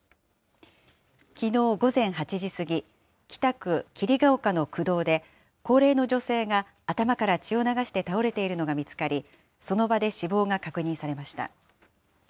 きのう午前８時過ぎ、北区桐ヶ丘の区道で、高齢の女性が頭から血を流して倒れているのが見つかり、その場で死亡が確認されました。